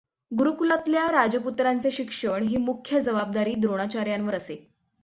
गुरूकुलातल्या राजपुत्रांचे शिक्षण ही मुख्य जबाबदारी द्रोणाचार्यांवर असते.